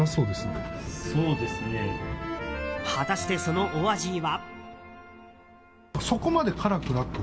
果たして、そのお味は。